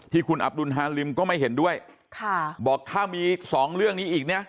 คุณอับดุลฮาริมก็ไม่เห็นด้วยค่ะบอกถ้ามีสองเรื่องนี้อีกเนี่ย